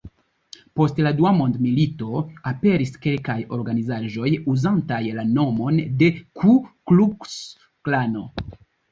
Post la dua mondmilito aperis kelkaj organizaĵoj uzantaj la nomon de "Ku-Kluks-Klano".